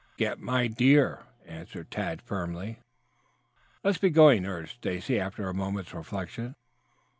"Get my deer," answered Tad firmly. "Let's be going," urged Stacy after a moment's reflection.